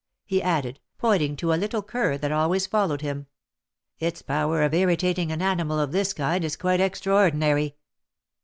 he added, pointing to a little cur that always followed him; '* its power of irritating an animal of this kind is quite extraordinary."